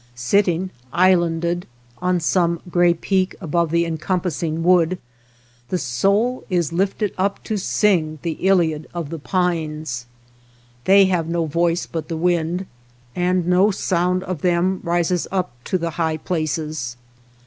Sitting islanded on some gray peak above the encompassing wood, the soul is lifted up to sing the Iliad of the pines. They have no voice but the wind, and no sound of them rises up to the 191 THE STREETS OF THE MOUNTAINS high places.